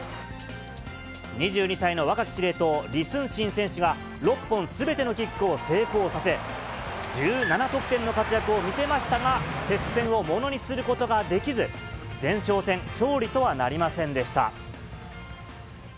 ２２歳の若き司令塔、李承信選手が６本すべてのキックを成功させ、１７得点の活躍を見せましたが、接戦をものにすることができず、前哨戦勝利とはなりませんでした。